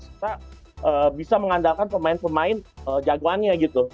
kita bisa mengandalkan pemain pemain jagoannya gitu